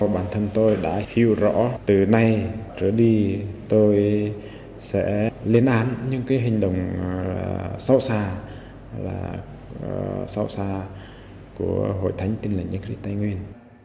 bản thân tôi đã hiểu rõ từ nay trở đi tôi sẽ liên án những cái hình động xa xa của hội thánh tin lành đấng trích tây nguyên